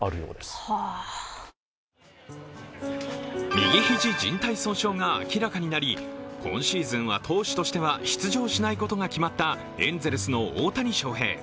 右肘じん帯損傷が明らかになり今シーズンは投手としては出場しないことが決まったエンゼルスの大谷翔平。